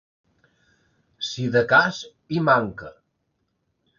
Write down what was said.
Si de cas hi manca.